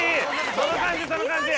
その感じその感じ。